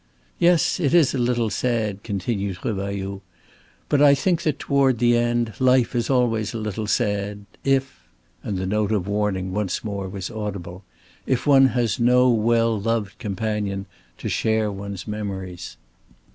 "Yes, it is a little sad," continued Revailloud. "But I think that toward the end, life is always a little sad, if" and the note of warning once more was audible "if one has no well loved companion to share one's memories."